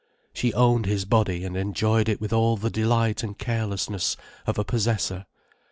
She owned his body and enjoyed it with all the delight and carelessness of a possessor.